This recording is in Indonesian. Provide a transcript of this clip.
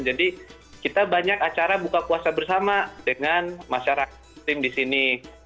jadi kita banyak acara buka puasa bersama dengan masyarakat muslim di sini